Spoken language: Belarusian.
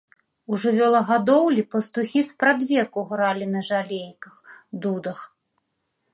У жывёлагадоўлі пастухі спрадвеку гралі на жалейках, дудах.